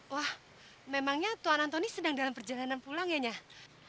wah memangnya tuan antoni sedang dalam perjalanan pulang ya nyat